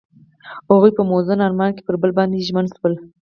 هغوی په موزون آرمان کې پر بل باندې ژمن شول.